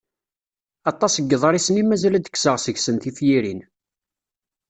Aṭas n yiḍrisen i mazal ad d-kkseɣ seg-sen tifyirin.